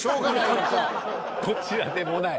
どちらでもない。